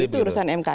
itu urusan mkd